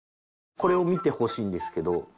これを見てほしいんですけど。